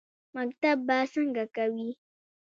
_مکتب به څنګه کوې؟